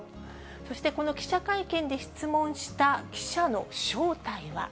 そして、この記者会見で質問した記者の正体は？